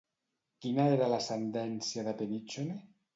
Quina era l'ascendència de Perictione?